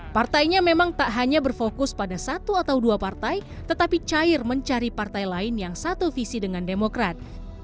partainya memang tak hanya berfokus pada satu atau dua partai tetapi cair mencari partai lain yang satu visi dengan demokrat